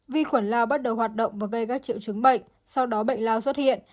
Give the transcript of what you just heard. vi khuẩn lao bắt đầu hoạt động và gây các triệu chứng bệnh sau đó bệnh lao xuất hiện